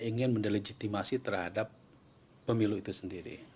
ingin mendelegitimasi terhadap pemilu itu sendiri